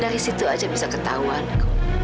dari situ aja bisa ketahuan